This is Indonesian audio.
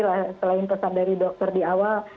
saya juga ingin menerima pesan dari dokter di awal